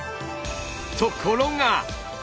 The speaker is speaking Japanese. ところが！